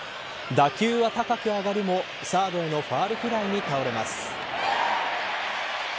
打球は高く上がるもサードへのファウルフライに倒れます。